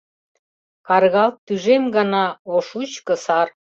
Каргалт тӱжем гана, о шучко сар!